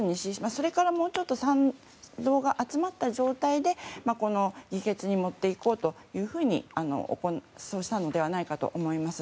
それから、もうちょっと賛同が集まった状態でこの議決に持っていこうとしたのではないかと思います。